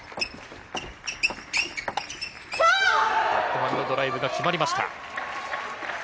バックハンドドライブが決まりました。